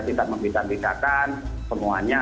kita membedakan semuanya